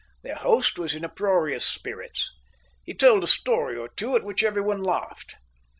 Their host was in uproarious spirits. He told a story or two at which everyone laughed.